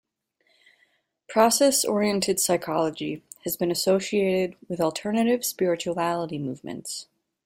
Process oriented psychology has been associated with alternative spirituality movements.